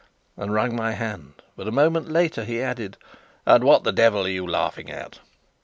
and wrung my hand. But a moment later he added: "And what the devil are you laughing at?"